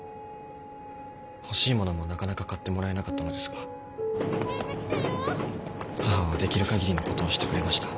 欲しいものもなかなか買ってもらえなかったのですが母はできるかぎりのことをしてくれました。